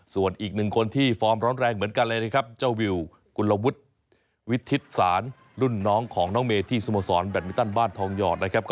ส่วนอีกหนึ่งคนที่ฟอร์มร้อนแรงเหมือนกันเลยนะครับเจ้าวิวกุลวุฒิวิทิศศาลรุ่นน้องของน้องเมย์ที่สโมสรแบตมินตันบ้านทองหยอดนะครับ